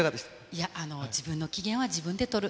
いや、自分の機嫌は自分で取る。